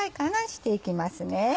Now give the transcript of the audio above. していきますね。